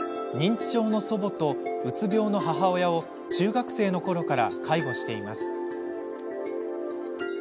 認知症の祖母と、うつ病の母親を中学生のころから介護しています。